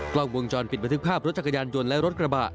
กล้องวงจรปิดบันทึกภาพรถจักรยานยนต์และรถกระบะ